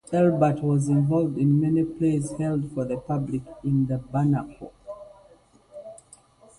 Elbert was involved in many plays held for the public in the Barnacle.